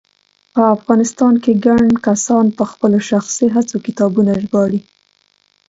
په افغانستان کې ګڼ کسان په خپلو شخصي هڅو کتابونه ژباړي